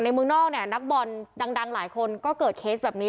เมืองนอกเนี่ยนักบอลดังหลายคนก็เกิดเคสแบบนี้